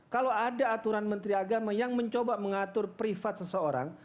kalau ada aturan menteri agama yang mencoba mengatur privat seseorang